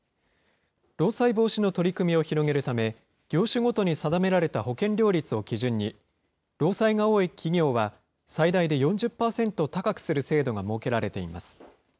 労災防止の取り組みを広げるため、業種ごとに定められた保険料率を基準に、労災が多い企業は最大で４０％高くする制度が設けられています。